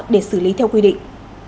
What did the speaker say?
để xử lý theo quy định